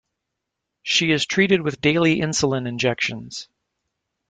She is treated with daily insulin injections.